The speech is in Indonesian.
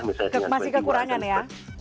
masih kekurangan ya